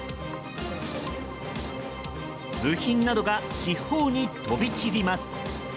部品などが四方に飛び散ります。